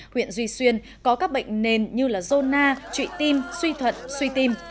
huyện duy xuyên có các bệnh nền như zona trụy tim suy thận suy tim